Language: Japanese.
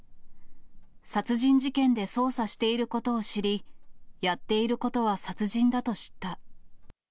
殺人事件で捜査していることを知り、やっていることは殺人だと知った。